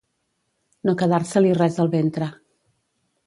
No quedar-se-li res al ventre.